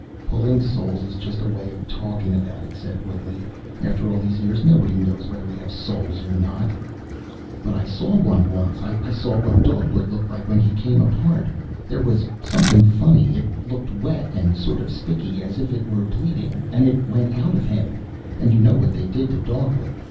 "Pulling souls is just a way of talking about it," said Woodley. "After all these years, nobody knows whether we have souls or not." "But I saw one once. I saw what Dogwood looked like when he came apart. There was something funny. It looked wet and sort of sticky as if it were bleeding and it went out of him and you know what they did to Dogwood?